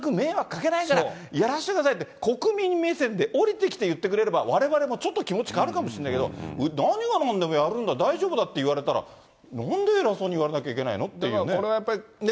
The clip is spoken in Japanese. なるべく迷惑かけないからやらしてくださいって国民目線でおりてきて言ってくれればわれわれもちょっと気持ち変わるかもしれないけど、なにがなんでもやるんだ、大丈夫だって言われたら、なんで偉そうに言われなきゃいけないのっていうふうにね。